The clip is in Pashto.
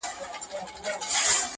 • موږ ته ورکي لاري را آسانه کړي,